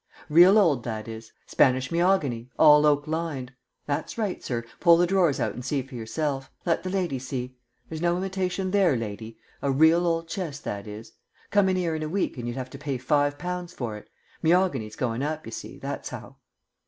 "Real old, that is. Spanish me'ogany, all oak lined. That's right, sir, pull the drawers out and see for yourself. Let the lady see. There's no imitation there, lady. A real old chest, that is. Come in 'ere in a week and you'd have to pay five pounds for it. Me'ogany's going up, you see, that's how."